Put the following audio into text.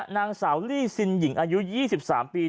นางสาวลี่ซินหญิงอายุ๒๓ปี